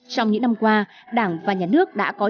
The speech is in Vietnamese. trong những năm qua đảng và nhà nước đã có một số loại rau siêu sạch